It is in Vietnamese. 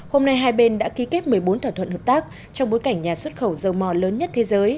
hôm nay hai bên đã ký kết một mươi bốn thỏa thuận hợp tác trong bối cảnh nhà xuất khẩu dầu mò lớn nhất thế giới